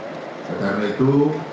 oleh karena itu